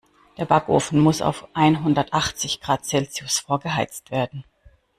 Der Backofen muss auf einhundertachzig Grad Celsius vorgeheizt werden.